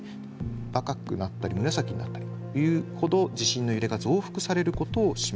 赤くなったり紫になったりというほど地震の揺れが増幅されることを示しています。